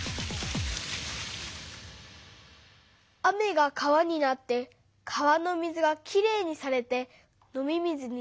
雨が川になって川の水がきれいにされて飲み水になる。